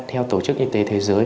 theo tổ chức y tế thế giới